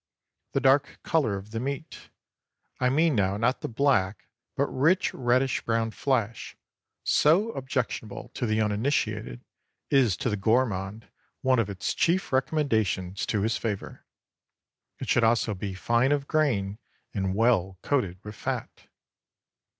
The dark color of the meat,—I mean now not the black, but rich reddish brown flesh,—so objectionable to the uninitiated, is to the gourmand one of its chief recommendations to his favor. It should also be fine of grain and well coated with fat.